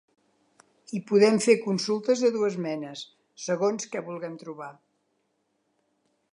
Hi podem fer consultes de dues menes, segons què vulguem trobar.